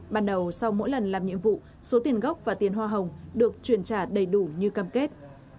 ban đầu sau mỗi lần làm nhiệm vụ số tiền gốc và tiền hoa hồng được chuyển trả đầy đủ như cam kết